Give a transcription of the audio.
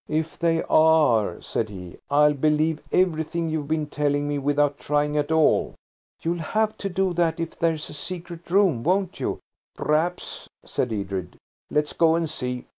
"If they are," said he, "I'll believe everything you've been telling me without trying at all." "You'll have to do that–if there's a secret room, won't you?" "P'r'aps," said Edred; "let's go and see.